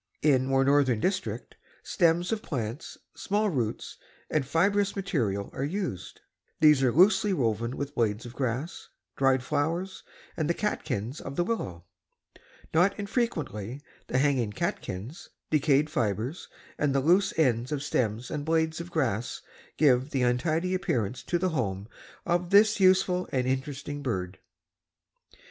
In more northern district, stems of plants, small roots and fibrous materials are used. These are loosely woven with blades of grass, dry flowers and the catkins of the willow. Not infrequently the hanging catkins, decayed fibres and the loose ends of stems and blades of grass give an untidy appearance to the home of this useful and interesting bird.